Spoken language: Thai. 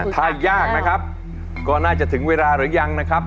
ถ้ายากนะครับก็น่าจะถึงเวลาหรือยังนะครับ